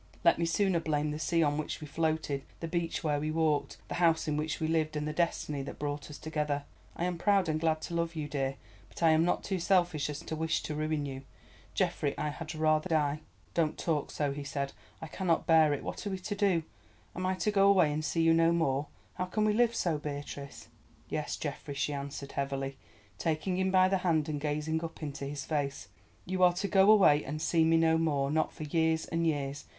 Let me sooner blame the sea on which we floated, the beach where we walked, the house in which we lived, and the Destiny that brought us together. I am proud and glad to love you, dear, but I am not so selfish as to wish to ruin you: Geoffrey—I had rather die." "Don't talk so," he said, "I cannot bear it. What are we to do? Am I to go away and see you no more? How can we live so, Beatrice?" "Yes, Geoffrey," she answered heavily, taking him by the hand and gazing up into his face, "you are to go away and see me no more, not for years and years.